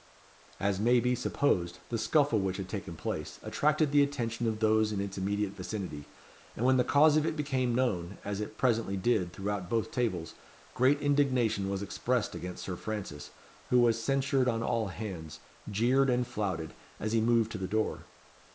As may be supposed, the scuffle which had taken place, attracted the attention of those in its immediate vicinity; and when the cause of it became known, as it presently did throughout both tables, great indignation was expressed against Sir Francis, who was censured on all hands, jeered and flouted, as he moved to the door.